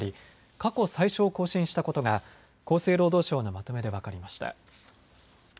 過去最少を更新更新したことが厚生労働省のまとめで分かりました。